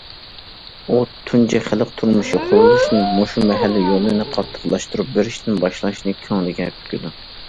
ئۇ تۇنجى خەلق تۇرمۇشى قۇرۇلۇشىنى مۇشۇ مەھەللە يولىنى قاتتىقلاشتۇرۇپ بېرىشتىن باشلاشنى كۆڭلىگە پۈكىدۇ.